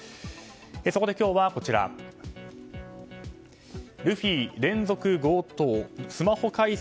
そこで今日は、ルフィ連続強盗スマホ解析